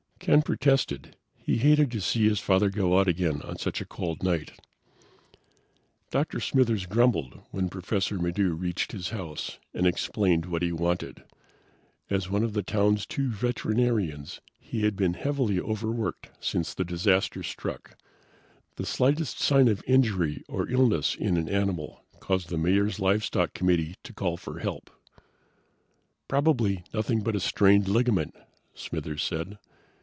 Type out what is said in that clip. Ken protested. He hated to see his father go out again on such a cold night. Dr. Smithers grumbled when Professor Maddox reached his house and explained what he wanted. As one of the town's two veterinarians, he had been heavily overworked since the disaster struck. The slightest sign of injury or illness in an animal caused the Mayor's livestock committee to call for help. "Probably nothing but a strained ligament," Smithers said.